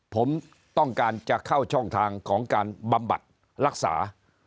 ผมต้องการจะเข้าช่องทางของการบำบัดรักษา